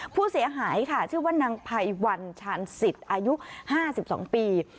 ผู้เสียหายค่ะชื่อว่านางไพวันชาญสิทธิ์อายุ๕๒ปี